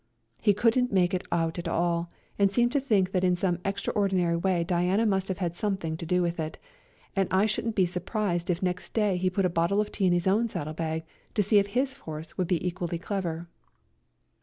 He couldn't make it out at all, and seemed to think that in some extraordinary way Diana must have had something to do with it, and I shouldn't be surprised if next day he put a bottle of tea in his own saddle bag to see if his horse would be equally clever.